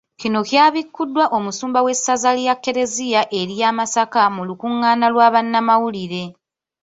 Kino kyabikkuddwa Omusumba w’essaza lya kkereziya erya Masaka mu lukungaana lwa bannamawulire.